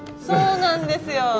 そうなんですよ。